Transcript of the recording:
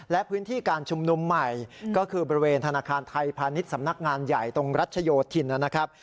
และพื้นที่การชุมนุมใหม่ก็คือบริเวณธนาคารไทยพาณิชย์สำนักงานใหญ่ตรงรัชโยธินนะครับ